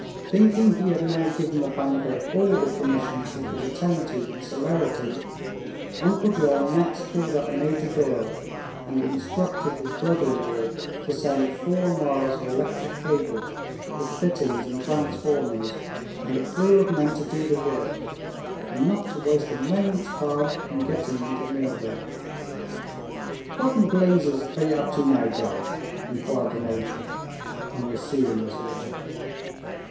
Thinking he had now given the banker all the commissions he could attend to with celerity, Uncle John next called up Major Doyle and instructed his brother in law to send four miles of electric cable, with fittings and transformers, and a crew of men to do the work, and not to waste a moment's time in getting them to Millville. "What in blazes are ye up to now, John?" inquired the major, on receiving this order.